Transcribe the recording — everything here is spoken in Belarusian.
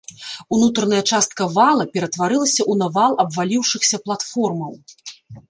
Унутраная частка вала ператварылася ў навал абваліўшыхся платформаў.